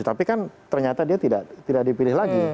tapi kan ternyata dia tidak dipilih lagi